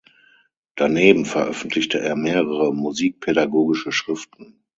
Daneben veröffentlichte er mehrere musikpädagogische Schriften.